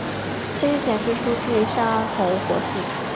有些显示出具杀虫活性。